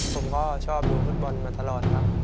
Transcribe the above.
ผมก็ชอบดูฟุตบอลมาตลอดครับ